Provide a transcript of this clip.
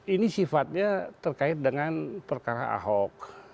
ini sifatnya terkait dengan perkara ahok